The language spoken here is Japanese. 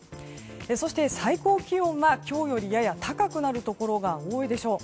そして、最高気温は今日よりやや高くなるところが多いでしょう。